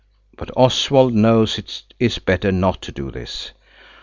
But Oswald knows it is better not to do this.